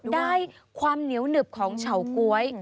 ได้ความเหนียวหนึบของเฉาก๊วย